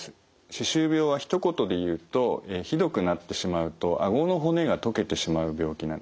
歯周病はひと言で言うとひどくなってしまうとあごの骨が溶けてしまう病気なんですね。